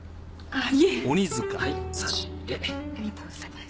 ありがとうございます。